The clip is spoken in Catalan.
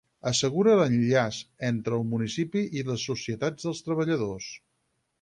Assegura l'enllaç entre el municipi i les societats dels treballadors.